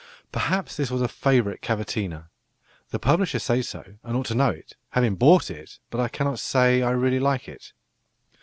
Perhaps this was a "favourite cavatina." The publisher says so, and ought to know, having bought it; but I cannot say I really like it.